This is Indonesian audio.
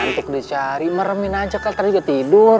ngantuk dicari meremin aja kali ternyata juga tidur